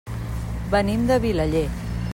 Venim de Vilaller.